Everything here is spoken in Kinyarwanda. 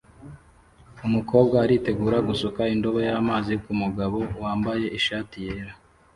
Umukobwa aritegura gusuka indobo y'amazi kumugabo wambaye ishati yera